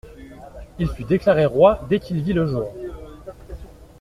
Il fut déclaré roi dès qu’il vit le jour.